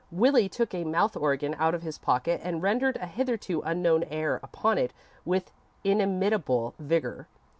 Willie took a mouth organ out of his pocket and rendered a hitherto unknown air upon it with inimitable vigour.